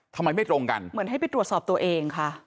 ทำไมไม่ตรงกันเหมือนให้ไปตรวจสอบตัวเองค่ะ